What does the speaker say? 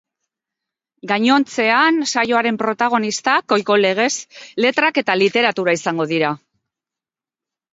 Gainontzean, saioaren protagonistak, ohiko legez, letrak eta literatura izango dira.